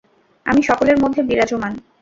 আমি সকলের মধ্যে বিরাজমান।